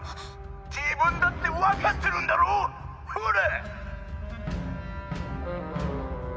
「自分だって分かってるんだろほら！」